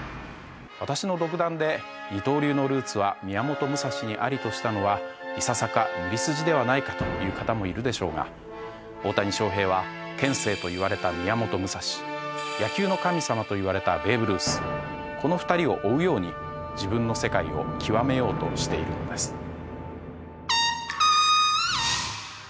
私の独断で「二刀流のルーツは宮本武蔵にあり」としたのはいささか無理筋ではないかという方もいるでしょうが大谷翔平は剣聖といわれた宮本武蔵野球の神様といわれたベーブ・ルースこの２人を追うように自分の世界を極めようとしているのです。